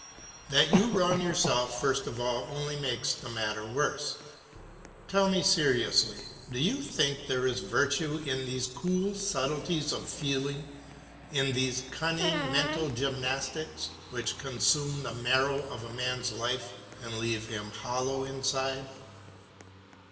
That you wrong yourself first of all only makes the matter worse. Tell me seriously, do you think there is virtue in these cool subtleties of feeling, in these cunning mental gymnastics, which consume the marrow of a man's life and leave him hollow inside?